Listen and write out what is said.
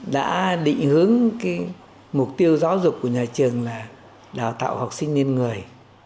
đã định hướng mục tiêu giáo dục của nhà trường là đào tạo học sinh niên người